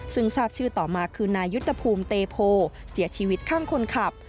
ซึ่งทราบชื่อต่อมาคือนายุทธภูมิเตโพเสียชีวิตข้างคนขับ